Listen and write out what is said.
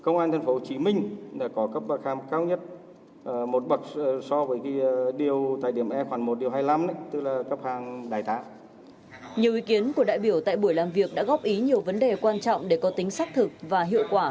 nhiều ý kiến của đại biểu tại buổi làm việc đã góp ý nhiều vấn đề quan trọng để có tính xác thực và hiệu quả